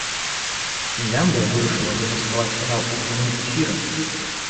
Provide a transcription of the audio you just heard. Фінляндыя вырашыла дэманстраваць фінал у прамым эфіры.